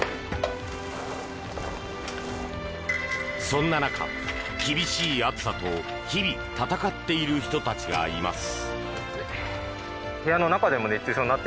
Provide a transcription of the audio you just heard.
そんな中、厳しい暑さと日々闘っている人たちがいます。